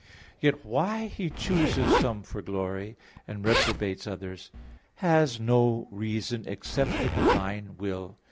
Yet why He chooses some for glory, and reprobates others, has no reason, except the divine will.